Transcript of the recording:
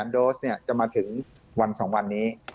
๕๐๐โดสนี่จะมาถึงวัน๒วันนี้